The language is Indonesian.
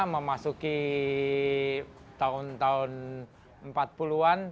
dua puluh lima memasuki tahun tahun empat puluh an